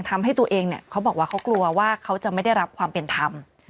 ทำให้ตัวเองเนี่ยเขาบอกว่าเขากลัวว่าเขาจะไม่ได้รับความเป็นธรรม